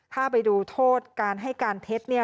ถ้าไปดูโทษการให้การเท็จเนี่ย